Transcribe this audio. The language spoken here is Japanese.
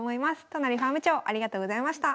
都成ファーム長ありがとうございました。